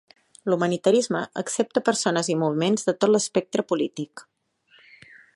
L'humanitarisme accepta persones i moviments de tot l'espectre polític.